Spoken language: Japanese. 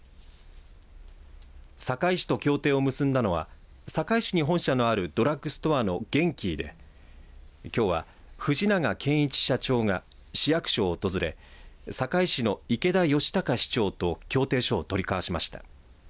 坂井市と協定を結んだのは坂井市に本社のあるドラッグストアのゲンキーできょうは藤永賢一社長が市役所を訪れ坂井市の池田禎孝市長と協定書を取り交わしました。